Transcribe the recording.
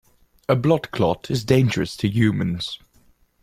A blood clot is dangerous to humans.